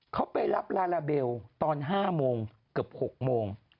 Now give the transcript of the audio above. เขาไปรับลาลาเบลตอน๕โมงเกือบ๖โมง